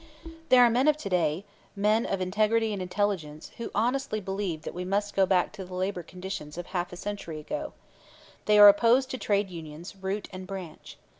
There are many men to day, men of integrity and intelligence, who honestly believe that we must go back to the labor conditions of half a century ago. They are opposed to trade unions, root and branch.